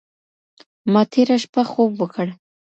ما تېره شپه خوب وکړ.